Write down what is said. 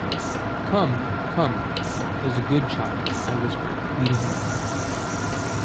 ‘Come, come, there’s a good child,’ I whispered, leading him in.